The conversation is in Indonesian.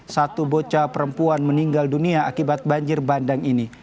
satu bocah perempuan meninggal dunia akibat banjir bandang ini